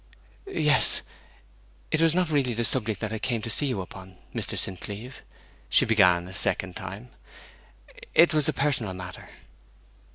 'Yes. ... It was not really this subject that I came to see you upon, Mr. St. Cleeve,' she began a second time. 'It was a personal matter.'